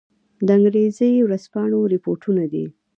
د انګرېزي ورځپاڼو رپوټونه دي.